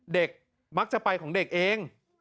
เด็กมักจะไปของเด็กเอง